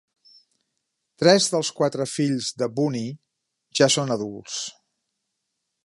Tres dels quatre fills de Bunny ja són adults.